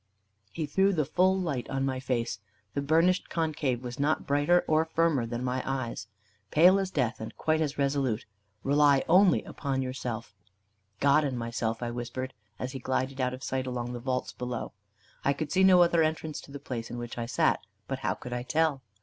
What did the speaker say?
He threw the full light on my face. The burnished concave was not brighter or firmer than my eyes. "Pale as death, and quite as resolute. Rely only upon yourself." "God and myself," I whispered, as he glided out of sight along the vaults below. I could see no other entrance to the place in which I sat; but how could I tell?